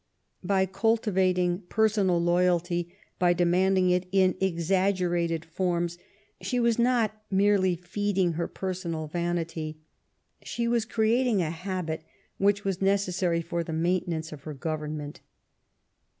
By cultivating personal loyalty, by demanding it in exaggerated forms, she was not merely feeding her personal vanity; she was creat ing a habit which was necessaiy for the maintenance of her government.